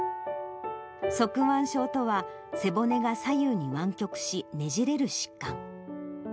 側弯症とは、背骨が左右に湾曲し、ねじれる疾患。